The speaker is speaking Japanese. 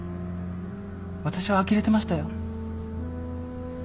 私はあきれてましたよ。